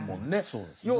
そうですね。